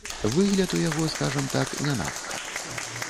Выгляд у яго, скажам так, не надта.